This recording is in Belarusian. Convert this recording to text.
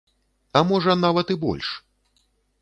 А можа, нават і больш!